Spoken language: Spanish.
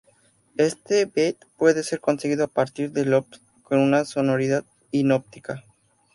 Este beat puede ser conseguido a partir de loops con una sonoridad hipnótica.